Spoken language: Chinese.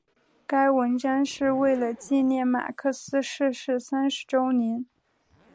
该文章是为了纪念马克思逝世三十周年。